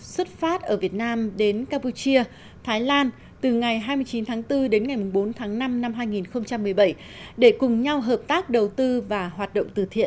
xuất phát ở việt nam đến campuchia thái lan từ ngày hai mươi chín tháng bốn đến ngày bốn tháng năm năm hai nghìn một mươi bảy để cùng nhau hợp tác đầu tư và hoạt động từ thiện